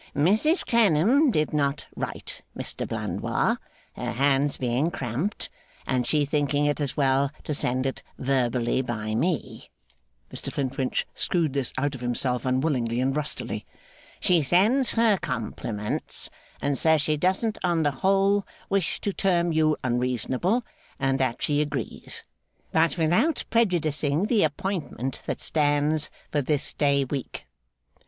'Mrs Clennam did not write, Mr Blandois, her hands being cramped, and she thinking it as well to send it verbally by me.' Mr Flintwinch screwed this out of himself, unwillingly and rustily. 'She sends her compliments, and says she doesn't on the whole wish to term you unreasonable, and that she agrees. But without prejudicing the appointment that stands for this day week.